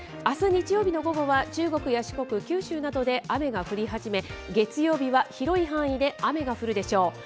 あす日曜日の午後は中国や四国、九州などで雨が降り始め、月曜日は広い範囲で雨が降るでしょう。